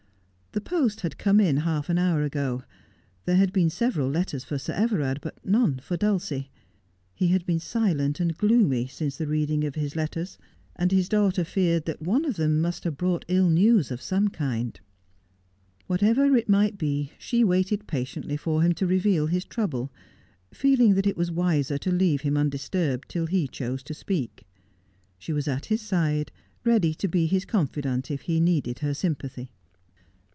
The post had come in half an hour ago. There had been several letters for Sir Everard, but none for Dulcie. He had been silent and gloomy since the Dulcia Sacrifices Herself. 157 reading of liis letters, and his daughter feared that one of them must have brought ill news of some kind. Whatever it might be, she waited patiently for him to reveal his trouble, feeling that it was wiser to leave him undisturbed till he chose to speak. She was at his side, ready to be his confidant if he needed her sympathy.